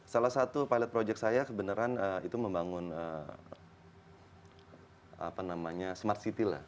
salah satu pilot project saya kebenaran itu membangun smart city lah